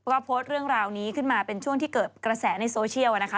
ก็โพสต์เรื่องราวนี้ขึ้นมาเป็นช่วงที่เกิดกระแสในโซเชียลนะคะ